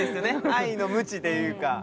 愛のムチというか。